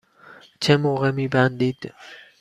چه موقع می بندید؟